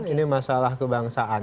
ini masalah kebangsaan